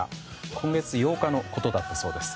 今月８日のことだったそうです。